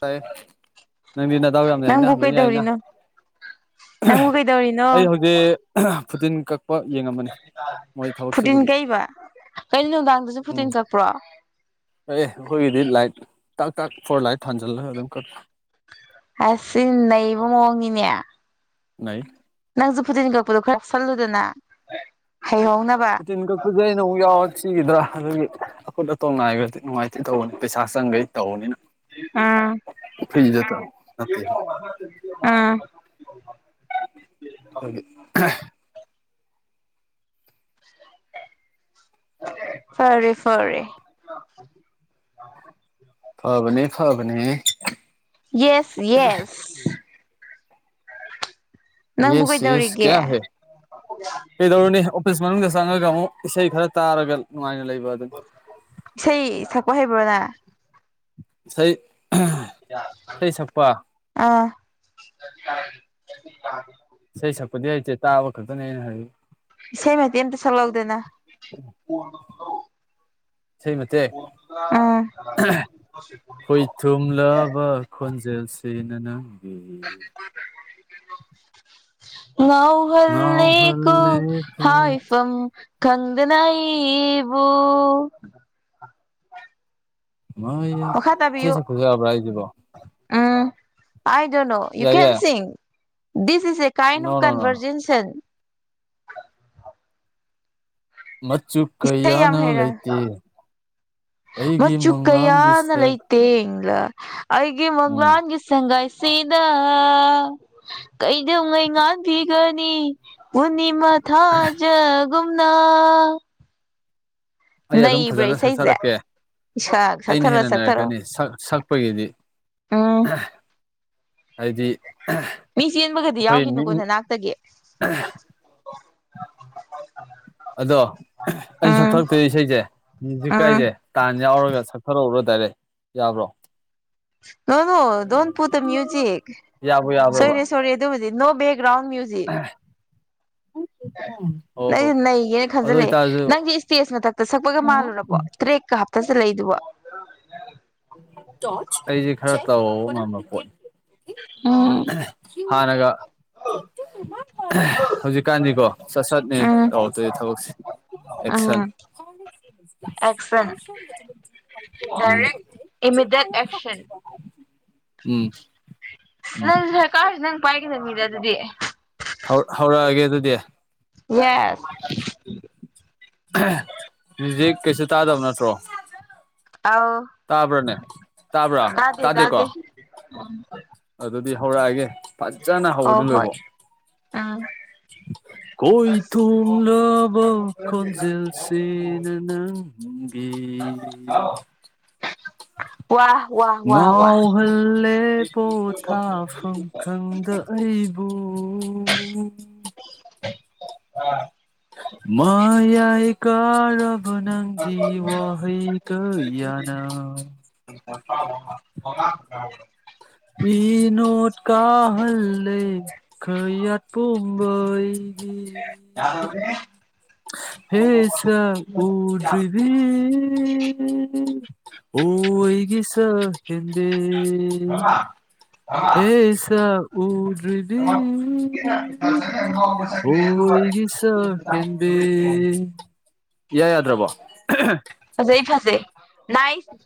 ꯇꯥꯏꯌꯦ ꯅꯪꯗꯤ ꯅꯗꯥꯎ ꯌꯥꯝ ꯌꯥꯏꯅ ꯅꯪꯕꯨ ꯂꯣꯏ ꯌꯥꯏꯅ ꯀꯩꯗꯧꯔꯤꯅꯣ ꯅꯪꯕꯨ ꯀꯩꯗꯧꯔꯤꯅꯣ ꯑꯩ ꯍꯧꯖꯤꯛ ꯐꯨꯇꯤꯟ ꯀꯛꯄ ꯌꯦꯡꯉꯝꯕꯅꯤ ꯃꯣꯏ ꯊꯕꯛ ꯐꯨꯇꯤꯟ ꯁꯨꯕꯒꯤ ꯀꯛꯏꯕ ꯀꯩꯅꯣ ꯅꯨꯡꯗꯥꯡꯗꯁꯨ ꯐꯨꯇꯤꯟ ꯀꯛꯄ꯭ꯔꯣ ꯀꯛꯑꯦ ꯑꯩꯈꯣꯏꯒꯤꯗꯤ ꯂꯥꯏꯠ ꯇꯥꯛ ꯇꯥꯛ ꯐꯣꯔ ꯂꯥꯏꯠ ꯊꯥꯟꯖꯜꯂꯒ ꯑꯗꯨꯝ ꯀꯛ ꯑꯁ ꯁꯤꯟ ꯅꯩꯕ ꯃꯑꯣꯡꯅꯤꯅꯦ ꯅꯩ ꯅꯪꯁꯨ ꯐꯨꯗꯤꯟ ꯀꯛꯄꯗꯣ ꯈꯔ ꯌꯥꯎꯁꯤꯜꯂꯨꯗꯅ ꯍꯩꯍꯧꯅꯕ ꯇꯤꯟ ꯀꯛꯄꯁꯩ ꯑꯩꯅ ꯑꯃꯨꯛ ꯌꯥꯎꯔ ꯁꯤꯈꯤꯗ꯭ꯔꯥ ꯑꯗꯨꯒꯤ ꯑꯀꯨꯠ ꯑꯇꯣꯡ ꯉꯥꯏꯕꯗꯤ ꯅꯨꯡꯉꯥꯏꯇꯦ ꯇꯧꯕꯅꯤ ꯄꯩꯁꯥ ꯆꯪꯈꯩ ꯇꯧꯅꯤꯅ ꯎꯝ ꯅꯠꯇꯦꯕ ꯎꯝ [inaudible] ꯈꫭꯏꯒꯤ ꯐꯥꯔꯦ ꯐꯥꯔꯦ [inaudible] [inaudible] ꯐꯥꯕꯅꯦ ꯐꯥꯕꯅꯦ ꯌꯦꯁ ꯌꯦꯁ ꯅꯪꯕꯨ ꯌꯦꯁ ꯌꯦꯁ ꯀꯩꯗꯧꯔꯤꯒꯦ ꯀꯌꯥ ꯍꯦ ꯀꯩꯗꯧꯔꯨꯅꯤ ꯑꯣꯐꯤꯁ ꯃꯅꯨꯡꯗ ꯆꯪꯉꯒ ꯑꯃꯨꯛ ꯏꯁꯩ ꯈꯔ ꯇꯥꯔꯒ ꯅꯨꯡꯉꯥꯏꯅ ꯂꯩꯕ ꯑꯗꯨꯅꯤ ꯏꯁꯩ ꯁꯛꯄ ꯍꯩꯕ꯭ꯔꯣ ꯅꯪ ꯏꯁꯩ ꯏꯁꯩ ꯁꯛꯄ ꯑꯥ ꯏꯁꯩ ꯁꯛꯄꯗꯤ ꯍꯩꯇꯦ ꯇꯥꯕ ꯈꯛꯇꯅꯦ ꯑꯩꯅ ꯍꯩ ꯏꯁꯩ ꯃꯇꯦꯛ ꯑꯝꯇ ꯁꯛꯂꯛꯎꯗꯅ ꯏꯁꯩ ꯃꯇꯦꯛ ꯎꯝ ꯈꯣꯏ ꯊꯨꯝꯂꯕ ꯈꯣꯟꯖꯦꯜꯁꯤꯅꯅꯪ ꯋꯥꯎ ꯎꯍꯜꯂꯤ ꯀꯣ ꯉꯥꯎꯍꯜꯂꯦ ꯍꯣꯏ ꯍꯥꯏ ꯐꯝ ꯈꯪꯗꯅ ꯑꯩꯕꯨ ꯃꯌꯥꯢ ꯃꯈꯥ ꯢꯁꯩ ꯇꯥꯕꯤꯌꯨ ꯁꯛꯄꯁꯨ ꯌꯥꯕꯔ ꯍꯥꯏꯁꯤꯕꯣ ꯎꯝ ꯑꯥꯢ ꯗꯣꯟ ꯅꯣ ꯌꯨ ꯌꯥꯏ ꯀꯦꯟ ꯌꯥꯏ ꯁꯤꯡ this is a kind no of no no ꯅꯣ ꯀꯟꯚꯔꯖꯦꯟꯁꯟ ꯃꯆꯨ ꯏꯁꯩ ꯌꯥꯝ ꯀꯩꯌꯥꯅ ꯍꯩꯔꯦ ꯂꯩꯇꯦꯡ ꯃꯆꯨ ꯀꯌꯥꯅ ꯁꯛ ꯂꯩꯇꯦꯡꯂꯥ ꯑꯩꯒꯤ ꯎꯝ ꯃꯪꯂꯥꯟꯒꯤ ꯁꯒꯥꯏꯁꯤꯗ ꯁꯤꯗ ꯀꯩꯗꯧꯉꯩ ꯉꯥꯟꯕꯤꯒꯅꯤ ꯄꯨꯅꯤꯃ ꯊꯥꯖꯥ ꯒꯨꯝꯅ ꯑꯩ ꯑꯗꯨꯝ ꯐꯖꯅ ꯏꯁꯩꯁꯦ ꯁꯛꯆꯔꯛꯀꯦ ꯏꯁꯛ ꯑꯩꯅ ꯁꯛꯊꯔꯣ ꯍꯦꯟꯅ ꯁꯛꯊꯔꯣ ꯅꯩꯔꯛꯀꯅꯤ ꯁꯛ ꯁꯛꯄꯒꯤꯗꯤ ꯎꯝ ꯍꯥꯏꯗꯤ ꯃꯤ ꯆꯦꯟꯕꯒꯗꯤ ꯑꯩꯈꯣꯏ ꯃꯤ ꯌꯥꯎꯒꯤꯅꯨꯀꯣ ꯅꯅꯥꯛꯇꯒꯤ ꯑꯗꯣ ꯑꯩꯅ ꯎꯝ ꯁꯛꯊꯣꯔꯛꯇꯣꯏ ꯏꯁꯩꯁꯦ ꯃꯤꯌꯨꯖꯤꯛ ꯎꯝ ꯀꯥꯏꯁꯦ ꯇꯥꯟ ꯌꯥꯎꯔꯒ ꯁꯛꯊꯔꯛ ꯎꯔꯣ ꯗꯥꯏꯔꯦꯛ ꯌꯥꯕ꯭ꯔꯣ ꯅꯣ ꯅꯣ ꯗꯣꯟ ꯄꯨꯠ ꯗꯥ ꯃꯤꯌꯨꯖꯤꯛ ꯌꯥꯕꯨ ꯌꯥꯕ꯭ꯔꯕ ꯁꯣꯏꯔꯦ ꯁꯣꯏꯔꯦ ꯑꯗꯨꯕꯨꯗꯤ ꯅꯣ ꯕꯦꯛꯒꯔꯥꯎꯟ ꯃꯌꯨꯖꯤꯛ [unintelligible] ꯑꯣ ꯍꯣ ꯅꯪꯖꯦ ꯅꯩꯒꯦꯅ ꯑꯗꯨ ꯈꯟꯖꯤꯟ ꯂꯛꯑꯦ ꯑꯣꯏꯇꯥꯔꯁꯨ ꯅꯪꯖꯦ ꯏꯁꯇꯦꯖ ꯃꯊꯛꯇ ꯁꯛꯄꯒ ꯃꯥꯜꯂꯨꯔꯕꯣ ꯇ꯭ꯔꯦꯛꯀ ꯍꯥꯞꯇ ꯆꯠꯂꯛꯏꯁꯤꯕꯣ ꯑꯩꯁꯦ ꯈꯔ ꯇꯧꯕ ꯉꯝꯕ ꯄꯣꯠꯅꯤ ꯎꯝ ꯍꯟꯅꯒ ꯍꯧꯖꯤꯛꯀꯥꯟꯗꯤꯀꯣ ꯁꯠ ꯁꯠꯅꯦ ꯇꯧꯔꯛꯇꯣꯏꯁꯦ ꯊꯕꯛꯁꯦ ꯑꯦꯛꯁꯟ ꯎꯝ ꯑꯦꯛꯁꯟ ꯎꯝ ꯀꯔꯤ ꯏꯃꯤꯗꯦꯠ ꯑꯦꯛꯁꯟ ꯎꯝ ꯎꯝ ꯅꯪ ꯁꯔꯀ꯭ꯔꯖꯦ ꯅꯪ ꯄꯥꯏꯒꯗ ꯕꯅꯤꯗ ꯑꯗꯨꯗꯤ ꯍꯧꯔꯛꯑꯒꯦ ꯑꯗꯨꯗꯤ ꯌꯦꯁ ꯃꯨꯖꯤꯛ ꯀꯩꯁꯨ ꯇꯥꯗꯕ ꯅꯠꯇ꯭ꯔꯣ ꯑꯧ ꯇꯕ꯭ꯔꯥꯅꯦ ꯇꯕ꯭ꯔꯥ ꯇꯥꯗꯦ ꯇꯗꯦ ꯀꯣ [unintelligible] ꯑꯗꯨꯗꯤ ꯍꯧꯔꯛꯑꯒꯦ ꯐꯖꯅ ꯍꯧꯕꯗꯩ ꯂꯣꯏꯕꯐꯧ ꯑꯥ ꯈꯣꯏ ꯊꯨꯡꯂꯕ ꯀꯣꯟꯖꯦꯜꯁꯤꯅ ꯅꯪꯒꯤ ꯅꯡꯒꯤ ꯋꯥ ꯋꯥ ꯋꯥ ꯋꯥ ꯉꯥꯎꯍꯜꯂꯦ ꯄꯣꯊꯥꯐꯝ ꯈꯪꯗ ꯑꯩꯕꯨ [unintelligible] ꯃꯌꯥꯏ ꯀꯥꯔꯕ ꯅꯪꯒꯤ ꯋꯥꯍꯩ ꯍꯩ ꯀꯌꯥꯅ [unintelligible] ꯢꯅꯣꯠ ꯀꯥꯍꯜꯂꯦ ꯀꯌꯥꯠꯄꯨꯝꯕ ꯑꯩꯒꯤ ꯌꯥꯕꯅꯦ ꯍꯦ ꯍꯦ ꯁꯛ ꯎꯗꯔꯤꯕꯤ [unintelligible] ꯍꯣ ꯑꯩꯒꯤ ꯁꯛꯍꯦꯟꯕꯤ ꯍꯦꯟꯕꯤ [unintelligible] ꯑꯦ ꯁꯛ ꯎꯗ꯭ꯔꯤ [inaudible] ꯑꯣꯏꯒꯤ ꯁꯛ ꯍꯦꯟꯕꯤ [unintelligible] ꯏꯌꯥ ꯌꯥꯗ꯭ꯔꯕꯣ ꯐꯖꯩ ꯐꯖꯩ ꯅꯥꯢꯁ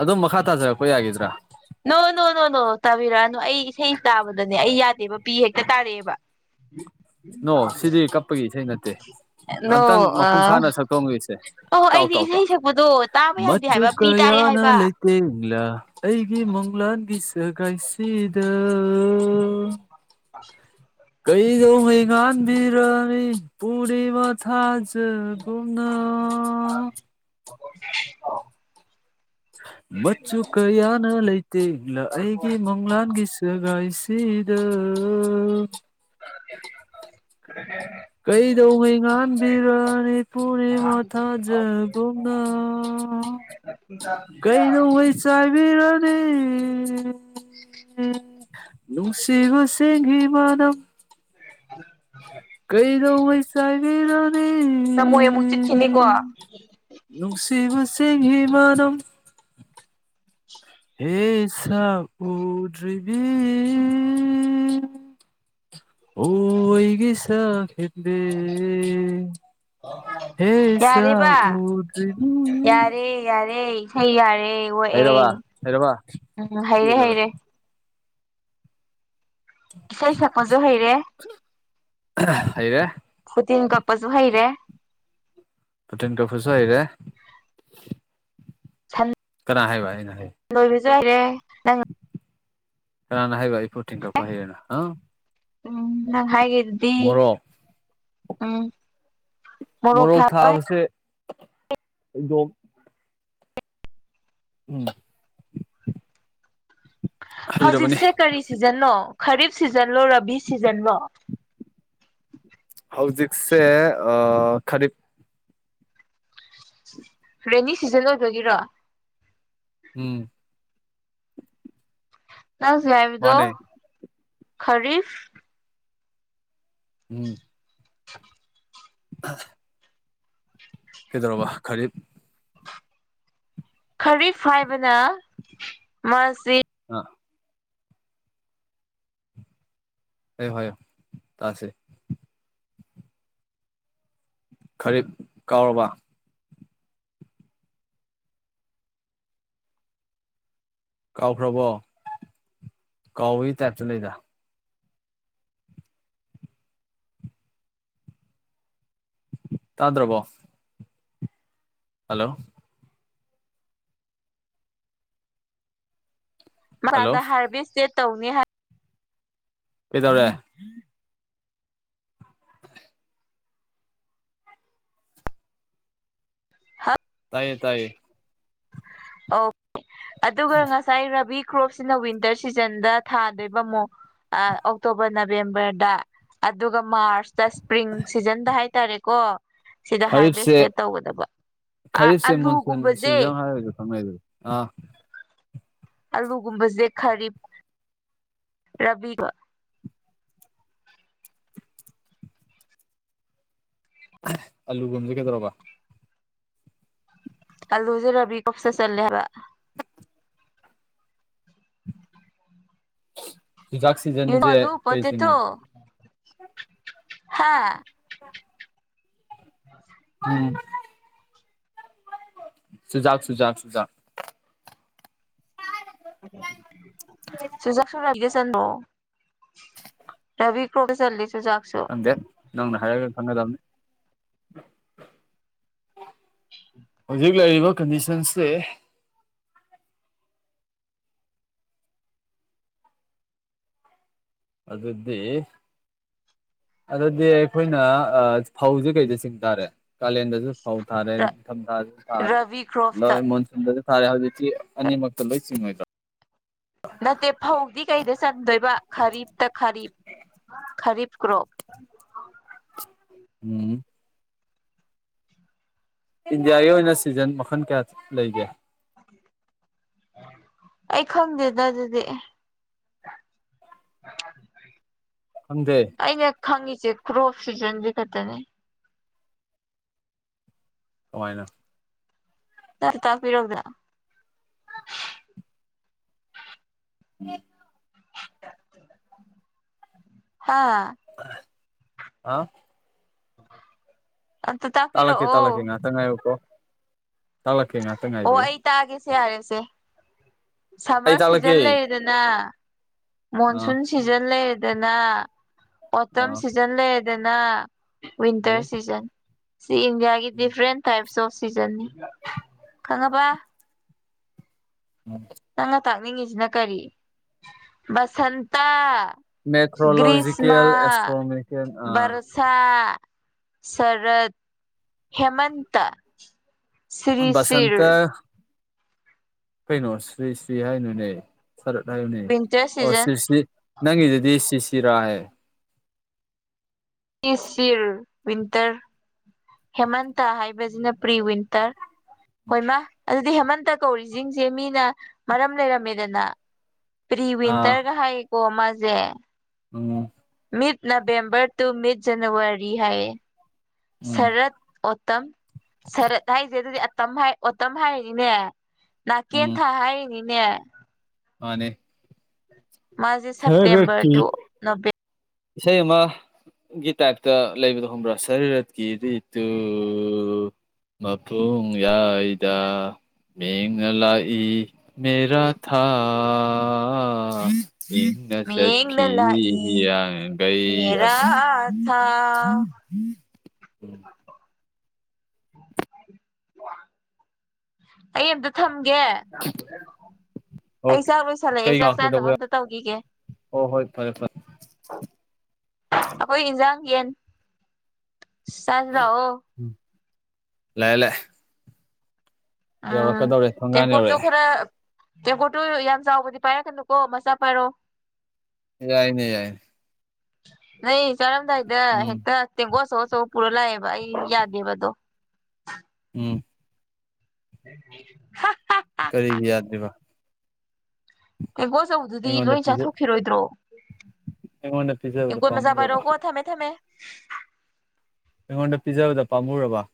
ꯑꯗꯨꯝ ꯃꯈꯥ ꯇꯥꯖꯔꯛꯄ ꯌꯥꯒꯤꯗ꯭ꯔꯥ ꯅꯣ ꯅꯣ ꯅꯣ ꯅꯣ ꯇꯥꯕꯤꯔꯛꯑꯅꯨ ꯑꯩ ꯏꯁꯩ ꯇꯥꯕꯗꯅꯦ ꯑꯩ ꯌꯥꯗꯦꯕ ꯄꯤ ꯍꯦꯛꯇ ꯇꯥꯔꯛꯑꯦꯕ [inaudible] ꯅꯣ ꯁꯤꯗꯤ ꯀꯞꯄꯒꯤ ꯏꯁꯩ ꯅꯠꯇꯦ ꯅꯣ ꯑꯝꯇꯪ ꯃꯄꯨꯡ ꯑ ꯐꯥꯅ ꯁꯛꯇꯣꯛꯑꯝꯒꯤꯁꯦ ꯑꯣ ꯇꯥꯎ ꯑꯩꯗꯤ ꯇꯥꯎ ꯇꯥꯎ ꯏꯁꯩ ꯁꯛꯄꯗꯣ ꯇꯥꯕ ꯌꯥꯗꯦ ꯃꯆꯨ ꯍꯥꯏꯕ ꯄꯤ ꯇꯥꯔꯦ ꯀꯌꯥꯅ ꯍꯥꯏꯕ ꯂꯩ ꯇꯦꯡꯂꯥ ꯑꯩꯒꯤ ꯃꯪꯂꯥꯟꯒꯤ ꯁꯒꯥꯏꯁꯤꯗ ꯀꯩꯗꯧꯉꯩ ꯉꯥꯟꯕꯤꯔꯅꯤ ꯄꯨꯔꯅꯤꯃꯥ ꯊꯥꯖꯒꯨꯝꯅ [inaudible] ꯃꯆꯨ ꯀꯌꯥꯅ ꯂꯩꯇꯦꯡꯂ ꯑꯩꯒꯤ ꯃꯪ ꯂꯥꯟꯒꯤ ꯁꯒꯥꯏꯁꯤꯗ [inaudible] ꯀꯩꯗꯧꯉꯩ ꯉꯥꯟꯕꯤꯔꯅꯤ ꯄꯨꯔꯅꯤꯃꯥ ꯊꯥꯖꯒꯨꯝꯅ [inaudible] [unintelligible] ꯆꯥꯢꯕꯤꯔꯅꯤ ꯅꯨꯡꯁꯤꯕ ꯆꯤꯡꯍꯤ ꯃꯅꯝ [inaudible] ꯀꯩꯗꯧꯉꯩ ꯆꯥꯢꯕꯤꯔꯅꯤ ꯅꯃꯣꯢ ꯑꯃꯨꯛ ꯆꯤꯠꯈꯤꯅꯤꯀꯣ ꯅꯨꯡꯁꯤꯕ ꯆꯤꯡꯍꯤ ꯃꯅꯝ ꯍꯦ ꯁꯛ ꯎꯗ꯭ꯔꯤꯕꯤ ꯑꯣ ꯑꯩꯒꯤ ꯁꯛꯍꯦꯟꯕꯤ ꯌꯥꯔꯦꯕ ꯎꯗ꯭ꯔꯤꯅꯤ ꯌꯥꯔꯦ ꯌꯥꯔꯦ ꯍꯩ ꯌꯥꯔꯦ ꯑꯣꯛꯑꯦ ꯍꯩꯔꯕ ꯍꯩꯔꯕ ꯎꯝ ꯍꯩꯔꯦ ꯄꯦꯜꯂꯕꯅꯤ ꯍꯩꯔꯦ ꯏꯁꯩ ꯁꯛꯄꯁꯨ ꯍꯩꯔꯦ ꯍꯩꯔꯦ ꯐꯨꯇꯤꯟ ꯀꯛꯄꯁꯨ ꯍꯩꯔꯦ ꯐꯨꯇꯤꯟ ꯀꯛꯄꯁꯨ ꯍꯩꯔꯦ ꯁꯟ ꯀꯅꯥ ꯍꯥꯏꯕ ꯑꯩꯅ ꯍꯥꯏ [unintelligible] ꯍꯩꯔꯦ ꯅꯪ ꯀꯅꯥꯅ ꯍꯥꯢꯕ ꯑꯩ ꯐꯨꯇꯤꯟ ꯀꯛꯄ ꯍꯩ ꯅ ꯎꯝ ꯅꯪ ꯍꯥꯏꯒꯤ ꯃꯣꯔꯣꯛ ꯃꯣꯔꯣꯛ ꯊꯥꯕꯁꯦ ꯐꯩꯗꯣꯝ ꯎꯝ ꯍꯩꯔꯕꯅꯤ ꯍꯧꯖꯤꯛꯁꯦ ꯀꯔꯤ ꯁꯤꯖꯟꯅꯣ ꯈꯔꯤꯞ ꯁꯤꯖꯟꯂꯣ ꯔꯥꯕꯤ ꯁꯤꯖꯟꯂꯣ ꯍꯧꯖꯤꯛꯁꯦ ꯑꯥ ꯈꯔꯤꯞ ꯔꯦꯅꯤ ꯁꯤꯖꯟ ꯑꯣꯏꯕꯒꯤꯔꯣ ꯎꯝ ꯅ ꯍꯧꯖꯤꯛ ꯍꯥꯢꯕꯗꯣ ꯃꯥꯅꯦ ꯈꯔꯤ ꯎꯝ [unintelligible] ꯀ‌ꯦꯗꯧꯔꯕ ꯈꯔꯤꯞ ꯈꯔꯤꯐ ꯍꯥꯏꯕꯅ ꯃꯥꯁꯤ ꯑ ꯍꯥꯢꯌꯣ ꯍꯥꯢꯌꯣ ꯇꯥꯁꯤ ꯈꯔꯤꯞ ꯀꯥꯎꯔꯕ ꯀꯥꯎꯈ꯭ꯔꯕꯣ ꯀꯥꯎꯕꯒꯤ ꯇꯥꯏꯞꯇ ꯂꯩꯗ ꯇꯥꯗ꯭ꯔꯕꯣ ꯍꯂꯣ ꯍꯜꯂꯣ ꯃꯔꯥꯟꯗ ꯍꯥꯔꯚꯤꯁ ꯇ‌ꯦꯠ ꯇꯧꯅꯤ ꯍꯥꯏ ꯀ‌ꯦꯗꯧꯔꯦ ꯍꯥ ꯇꯥꯏꯌꯦ ꯇꯥꯏꯌꯦ ꯑꯣꯞ ꯑꯗꯨꯒ ꯉꯁꯥꯏ ꯔꯕꯤꯛ ꯀ꯭ꯔꯣꯞꯁꯤꯅ ꯋꯤꯟꯇꯔ ꯁꯤꯖꯟꯗ ꯊꯥꯗꯣꯏꯕ ꯃꯣ ꯑꯥ ꯑꯣꯛꯇꯣꯕꯔ ꯅꯕꯦꯝꯕꯔꯗ ꯑꯗꯨꯒ ꯃꯥꯔꯁꯇꯁ ꯄ꯭ꯔꯤꯡ ꯁꯤꯖꯟꯗ ꯍꯥꯏꯇꯥꯔꯦꯀꯣ ꯁꯤꯗ ꯈꯔꯤꯞꯁꯦ ꯍꯥꯔꯚꯦꯁꯇꯦꯠ ꯇꯧꯒꯗꯕ ꯈꯔꯤꯞꯁꯦ ꯃꯣꯟꯁꯨꯟ ꯑꯂꯨꯒꯨꯝꯕꯁꯦ ꯁꯤꯖꯟ ꯍꯥꯏꯔꯒ ꯈꯪꯅꯩ [unintelligible] ꯑꯥ ꯑꯂꯨ ꯒꯨꯝꯕꯖ‌ꯦ ꯈꯔꯤꯞ ꯔꯕꯤꯒ ꯑꯂꯨ ꯒꯨꯝꯕꯖ‌ꯦ ꯀꯩꯗꯧꯔꯕ ꯑꯂꯨꯖ‌ꯦ ꯔꯕꯤ ꯀ꯭ꯔꯣꯞꯁꯇ ꯆꯜꯂꯦ ꯍꯥꯏꯕ ꯆꯨꯖꯥꯛ ꯌꯨ ꯅꯣ ꯁꯤꯖꯟꯖ‌ꯦ ꯑꯂꯨ ꯀꯩ ꯄꯣꯇꯦꯇꯣ ꯆꯤꯡꯉꯤ ꯍꯥꯥ ꯎꯝ ꯆꯨꯖꯥꯛ ꯆꯨꯖꯥꯛ ꯆꯨꯖꯥꯛ ꯆꯨꯖꯥꯛꯁꯨꯨ ꯔꯕꯤꯗ ꯆꯟꯕ‌‌ꯣ ꯔꯕꯤ ꯀ꯭ꯔꯣꯞꯇ ꯆꯜꯂꯤ ꯆꯨꯆꯥꯛꯁꯨ ꯗꯦ ꯅꯪꯅ ꯍꯥꯢꯔꯒ ꯈꯪꯒꯗꯝꯅꯤ ꯍꯨꯖꯤꯛ ꯂꯩꯔꯤꯕ ꯀꯟꯗꯤꯁꯟꯁꯦ ꯑꯗꯨꯗꯤ ꯑꯗꯨꯗꯤ ꯑꯩꯈꯣꯏꯅ ꯑꯥ ꯐꯧꯖ‌ꯦ ꯀꯩꯗ ꯆꯤꯡ ꯇꯥꯔꯦ ꯀꯥꯂꯦꯟꯗ ꯐꯧ ꯊꯥꯔꯦ ꯅꯤꯡꯊꯝ ꯊꯥꯖꯨ ꯊꯥ ꯔꯕꯤ ꯀ꯭ꯔꯣꯞꯇ ꯂꯣꯏ ꯃꯣꯟꯁꯨꯟ ꯗꯖꯨ ꯊꯥꯔꯦ ꯍꯧꯖꯤꯛꯇꯤ ꯑꯅꯤꯃꯛꯇ ꯂꯣꯏ ꯆꯤꯡꯉꯣꯏꯗ꯭ꯔꯣ ꯅꯠꯇꯦ ꯐꯧꯗꯤ ꯀꯩꯗ ꯆꯟꯗꯣꯏꯕ ꯈꯔꯤꯞꯇ ꯈꯔꯤꯞ ꯈꯔꯤꯞ ꯀ꯭ꯔꯣꯞ ꯎꯝ ꯏꯟꯗꯤꯌꯥꯒꯤ ꯑꯣꯏꯅ ꯁꯤꯖꯟ ꯃꯈꯟ ꯀꯌꯥ ꯂꯩꯒꯦ ꯑꯩ ꯈꯪꯗꯦꯗ ꯑꯗꯨꯗꯤ [unintelligible] ꯈꯪꯗꯦ ꯑꯩꯅ ꯈꯪꯉꯤꯁꯦ ꯀ꯭ꯔꯣꯞ ꯁꯤꯖꯟꯖꯦ ꯈꯇꯅꯦ ꯀꯃꯥꯏꯅ ꯇꯥ ꯇꯥꯛꯄꯤ ꯔꯧꯗ ꯑꯦ [inaudible] ꯍꯥꯥ ꯑ ꯑꯝꯇ ꯇꯥꯛꯂꯛꯀꯦ- ꯇꯥꯛꯂꯛꯀꯦ ꯇꯥꯛꯄꯤꯔꯛꯑꯣ ꯉꯥꯇꯪ ꯉꯥꯢꯌꯨꯀꯣ ꯇꯥꯛꯂꯛꯀꯦ ꯉꯥꯇꯪ ꯉꯥꯏꯕꯤꯌꯨ ꯇꯥꯛꯑꯒꯦꯁꯦ ꯌꯥꯔꯦꯁꯦ ꯑꯩ ꯁꯝꯃꯔ ꯇꯥꯛꯂꯛꯀꯦ ꯁꯤꯖꯟ ꯂꯩꯔꯦꯗꯅ ꯑꯥ ꯃꯣꯟꯁꯨꯟ ꯁꯤꯖꯟ ꯂꯩꯔꯦꯗꯅ ꯑꯣꯇꯝ ꯑꯥ ꯁꯤꯖꯟ ꯂꯩꯔꯦꯗꯅ ꯋꯤꯟꯇꯔ ꯁꯤꯖꯟ ꯁꯤ ꯏꯟꯗꯤꯌꯥꯒꯤ ꯒꯤ ꯗꯤꯐ꯭ꯔꯦꯟ ꯇꯥꯏꯞꯁ ꯑꯣꯐ ꯁꯤꯖꯟꯅꯤ ꯈꯪꯉꯕ ꯎꯝ ꯅꯪꯅ ꯇꯥꯛꯅꯤꯡꯉꯤꯁꯤꯅ ꯀꯔꯤ ꯕꯁꯟꯇꯥ ꯃꯦꯊ꯭ꯔꯣꯂꯣꯖꯤꯀꯦꯜ ꯑꯦꯁꯇ꯭ꯔꯣꯅꯣꯃꯤꯀꯦꯜ ꯑ ꯁꯥ ꯁꯔꯠ ꯍꯦꯃꯟꯇ ꯁꯤꯔꯤ ꯁꯤꯔ ꯕꯁꯟꯇ ꯀꯩꯅꯣ ꯁ꯭ꯔꯤ ꯁ꯭ꯔꯤ ꯍꯥꯏꯅꯨ ꯅꯦ ꯁꯥꯔꯠ ꯋꯤꯟꯇꯔ ꯍꯥꯏꯌꯨꯅꯦꯑꯣ ꯁꯤꯖꯟ ꯁꯤ꯭ꯔꯤ -ꯁꯤ꯭ꯔꯤ ꯅꯪꯒꯤꯖꯤꯗꯤ ꯁꯤ ꯁꯤꯔꯥꯌꯦ ꯏꯁ ꯁꯤꯔ ꯋꯤꯟꯇ꯭ꯔ ꯍꯦꯃꯟꯇꯥ ꯍꯥꯏꯕꯁꯤꯅ ꯄ꯭ꯔꯤ ꯋꯤꯟꯇ꯭ꯔ ꯍꯣꯏ ꯃꯥ ꯑꯗꯨꯗꯤ ꯍꯦꯃꯟꯇ ꯀꯧꯔꯤꯁꯤꯡꯁꯦ ꯃꯤꯅ ꯃꯔꯝ ꯂꯩꯔꯝꯃꯦꯗꯅ ꯄ꯭ꯔꯤ ꯑꯥ ꯋꯤꯟꯇꯔꯒ ꯍꯥꯏ ꯑꯣ ꯃꯥꯖꯦ ꯎꯝ mid November to mid January ꯍꯥꯏꯌꯦ ꯎꯝ ꯁꯥꯔꯠ ꯑꯣꯇꯝ ꯁꯥꯔꯠ ꯍꯥꯏꯁꯦ ꯑꯗꯨꯗꯤ ꯑꯇꯝ ꯍꯥꯏ ꯑꯣꯇꯝ ꯍꯥꯏꯔꯤꯅꯤꯅꯦ ꯎꯝ ꯅꯥꯀꯦꯟꯊ ꯍꯥꯏꯔꯤꯅꯤꯅꯦ ꯃꯥꯅꯦ ꯃꯥꯁꯦ ꯁꯥꯔꯠ ꯁꯦꯞꯇꯦꯝꯕꯔ ꯀꯤ ꯇꯨ ꯅꯣꯕꯦꯝ ꯏꯁꯩ ꯑꯃ ꯒꯤ ꯇꯥꯏꯞꯇ ꯂꯩꯕꯗꯣ ꯈꯪꯕ꯭ꯔꯥ ꯁꯥꯔꯤꯔꯠꯀꯤ ꯔꯤꯇꯨ ꯃꯄꯨꯡꯌꯥꯏꯗ ꯃꯦꯡꯅ ꯂꯥꯛꯏ ꯃꯦꯔꯥ ꯊꯥ ꯑꯑꯑꯑ ꯄꯦꯡ ꯃꯤꯠꯌꯦꯡꯅ ꯅꯆꯠꯈꯤ ꯂꯥꯛꯏ ꯍꯤꯌꯥꯡ ꯒꯩ ꯑꯁ ꯃꯦꯔꯥ ꯊꯥ ꯎꯝ [unintelligible] ꯍꯨꯋꯥ [unintelligible] ꯑꯩ ꯑꯝꯇ ꯊꯝꯒꯦ ꯑꯣ ꯑꯩ ꯆꯥꯛ ꯂꯣꯏꯁꯜꯂꯛꯑꯦ ꯆꯥꯛ ꯀꯩꯅꯣ ꯆꯥꯅꯕ ꯀꯩꯗꯧꯕ ꯑꯝꯇ ꯇꯧꯈꯤꯒꯦ ꯑꯣ ꯍꯣꯏ ꯐꯔꯦ ꯐꯔꯦ ꯑꯩꯈꯣꯏ ꯏꯟꯖꯥꯡ ꯌꯦꯟ ꯆꯥꯖꯤ ꯂꯥꯛꯑꯣ ꯎꯝ ꯂꯥꯑꯦ- ꯂꯥꯑꯦ ꯎꯝ ꯇꯦꯡ ꯊꯣꯡꯒꯥꯟ ꯀꯣꯠ ꯁꯨ ꯌꯧꯔꯛꯑꯦ ꯈꯔ ꯇꯦꯝꯀꯣꯠꯇꯨ ꯌꯥꯝ ꯆꯥꯎꯕꯗꯤ ꯄꯥꯏꯔꯛꯀꯅꯨꯀꯣ ꯃꯆꯥ ꯄꯥꯏꯔꯣ ꯌꯥꯏꯅꯦ ꯌꯥꯏ ꯅꯩ ꯆꯥꯔꯝꯗꯥꯏꯗ ꯎꯝ ꯍꯦꯛꯇ ꯇꯦꯡꯒꯣ ꯑꯆꯧ- ꯑꯆꯧꯕ ꯄꯨꯔꯥ ꯂꯥꯛꯑꯦꯕ ꯑꯩ ꯌꯥꯗꯦꯕ ꯑꯗꯣ ꯎꯝ ꯍꯥ ꯀꯔꯤꯒꯤ ꯌꯥꯗ꯭ꯔꯤꯕ ꯇꯦꯡꯒꯣ ꯑꯆꯧꯕꯗꯨꯗꯤ ꯑꯩꯉꯣꯟꯗ ꯂꯣꯏ ꯄꯤꯖ ꯆꯥꯊꯣꯛꯈꯤꯔꯣꯏꯗ꯭ꯔꯣ ꯑꯩꯉꯣꯟꯗ ꯄꯤꯖꯕꯗ ꯇꯦꯡꯀꯣꯠ ꯃꯆꯥ ꯃꯆꯥ ꯄꯥꯝꯃꯨꯔꯕ ꯄꯥꯏꯔꯛꯑꯣꯀꯣ ꯊꯝꯃꯦ ꯊꯝꯃꯦ ꯑꯩꯉꯣꯟꯗ ꯄꯤꯖꯕꯗ ꯄꯥꯝꯃꯨꯔꯕ